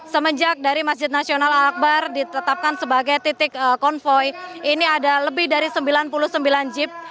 semenjak dari masjid nasional al akbar ditetapkan sebagai titik konvoy ini ada lebih dari sembilan puluh sembilan jeep